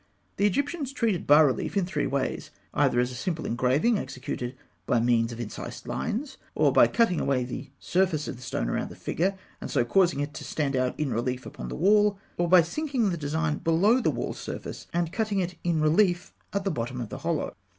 ] The Egyptians treated bas relief in three ways: either as a simple engraving executed by means of incised lines; or by cutting away the surface of the stone round the figure, and so causing it to stand out in relief upon the wall; or by sinking the design below the wall surface and cutting it in relief at the bottom of the hollow.